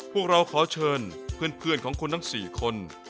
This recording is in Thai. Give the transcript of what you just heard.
พวกเราขอเชิญเพื่อนของคุณทั้ง๔คน